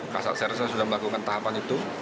kasus sersa sudah melakukan tahapan itu